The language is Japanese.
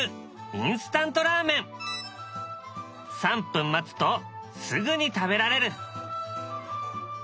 ３分待つとすぐに食べられる。